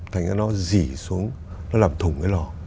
thành ra nó dỉ xuống nó làm thủng cái lò